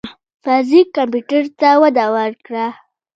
فزیک کمپیوټر ته وده ورکړه.